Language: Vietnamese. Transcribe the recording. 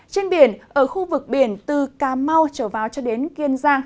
trên biển ở khu vực biển từ cà mau trở vào cho đến kiên giang